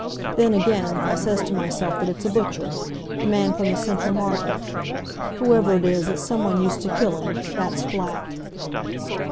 Then, again, I says to myself that it's a butcher, a man from the Central Market. Whoever it is, it's someone used to killing, that's flat."